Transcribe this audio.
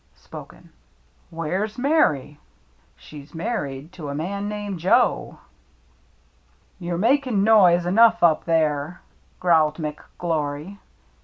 (Spoken) WHERE'S MARY? She's married to a man named Joe. "You*re makin* noise enough up there," growled McGlory.